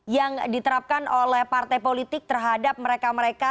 yang diterapkan oleh partai politik terhadap mereka mereka